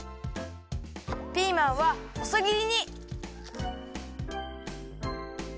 ピーマンはほそぎりに。